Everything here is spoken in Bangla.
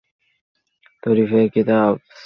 তাফসীরের কিতাবে যথাস্থানে আমরা তা উল্লেখ করেছি।